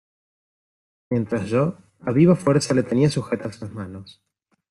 mientras yo, a viva fuerza le tenía sujetas las manos.